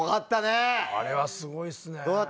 あれはすごいですね。